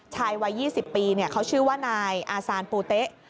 วัย๒๐ปีเขาชื่อว่านายอาซานปูเต๊ะ